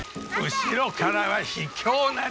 後ろからは卑怯なり！